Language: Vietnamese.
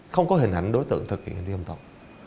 không có hình ảnh đối tượng thực hiện hình ảnh đối tượng